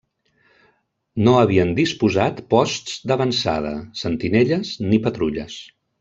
No havien disposat posts d'avançada, sentinelles, ni patrulles.